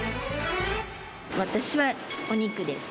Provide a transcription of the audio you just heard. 私はお肉です。